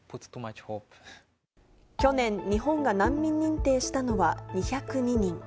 去年、日本が難民認定したのは２０２人。